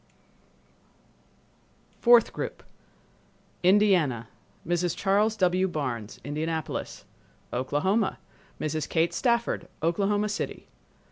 Fourth Group Indiana—Mrs. Charles W. Barnes, Indianapolis. Oklahoma—Mrs. Kate Stafford, Oklahoma City.